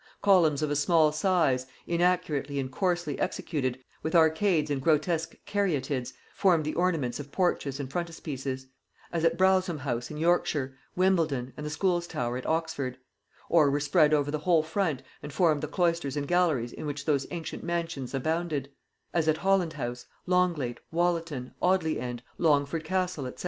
Columns of a small size, inaccurately and coarsely executed, with arcades and grotesque caryatids, formed the ornaments of porches and frontispieces, as at Browseholme house in Yorkshire, Wimbledon, and the Schools tower at Oxford, or were spread over the whole front and formed the cloisters and galleries in which those ancient mansions abounded; as at Holland house, Longleat, Wollaton, Audley End, Longford castle, &c.